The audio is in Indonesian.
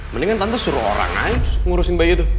mendingan tante suruh orang aja ngurusin bayi tuh